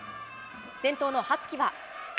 先頭の羽月は。